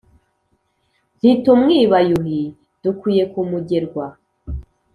ntitumwiba yuhi dukwiye kumugerwa.